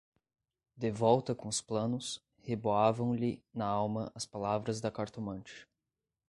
De volta com os planos, reboavam-lhe na alma as palavras da cartomante.